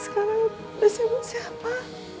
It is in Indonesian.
sekarang ada siapa siapa